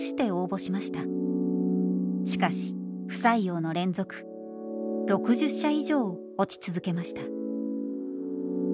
しかし不採用の連続６０社以上落ち続けました。